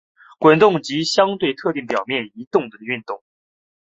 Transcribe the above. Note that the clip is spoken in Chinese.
滚动及相对特定表面平移的的运动。